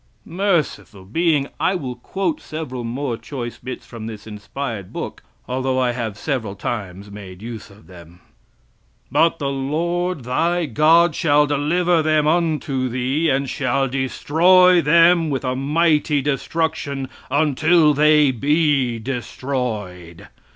Merciful Being! I will quote several more choice bits from this inspired book, although I have several times made use of them. "But the Lord thy God shall deliver them unto thee, and shall destroy them with a mighty destruction, until they be destroyed.